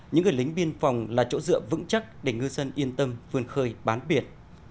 những người lính biên phòng là chỗ dựa vững chắc để ngư dân yên tâm vươn khơi bám biệt